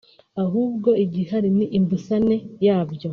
ahubwo igihari ni imbusane yabyo